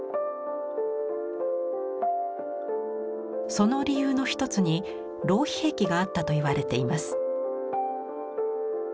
その理由の一つに浪費癖があったといわれています。